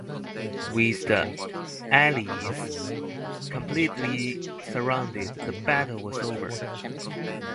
With the Allies completely surrounded, the battle was over.